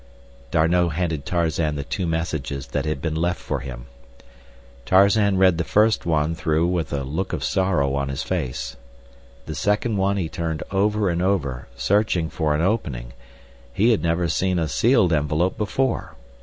D'Arnot handed Tarzan the two messages that had been left for him. Tarzan read the first one through with a look of sorrow on his face. The second one he turned over and over, searching for an opening—he had never seen a sealed envelope before.